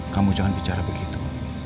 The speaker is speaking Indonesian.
kamu jangan bicara begitu